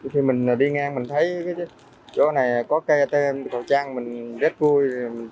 khi mình đi ngang mình thấy chỗ này có cây atm khẩu trang mình rất vui